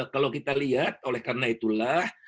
kalau kita lihat oleh karena itulah